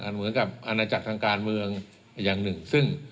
เหมือนกับอาณาจักรทางการเมืองอย่างหนึ่งซึ่ง